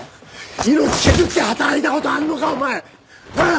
命削って働いたことあんのかお前！ああ！？